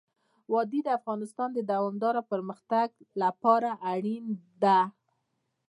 وادي د افغانستان د دوامداره پرمختګ لپاره اړین دي.